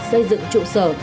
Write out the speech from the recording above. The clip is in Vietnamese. xây dựng trụ sở